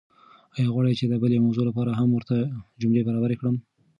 ایا غواړئ چې د بلې موضوع لپاره هم ورته جملې برابرې کړم؟